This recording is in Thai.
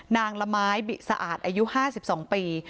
ละไม้บิสะอาดอายุ๕๒ปี